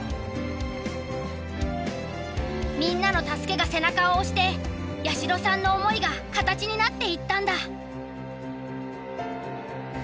みんなの助けが背中を押して八代さんの思いが形になっていったんだ。